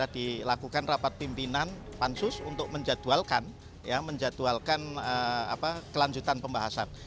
di lakukan rapat pimpinan pansus untuk menjadwalkan kelanjutan pembahasan